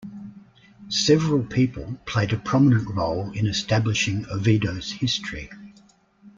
Several people played a prominent role in establishing Oviedo's history.